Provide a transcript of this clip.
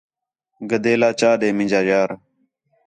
گدیلا چا ݙے مینجا یار